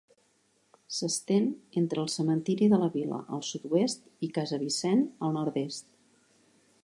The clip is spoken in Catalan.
S'estén entre el cementiri de la vila, al sud-oest, i Casa Vicent, al nord-est.